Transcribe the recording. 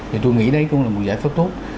thì tôi nghĩ đấy cũng là một giải pháp tốt